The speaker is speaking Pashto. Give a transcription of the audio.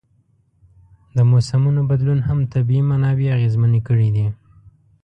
د موسمونو بدلون هم طبیعي منابع اغېزمنې کړي دي.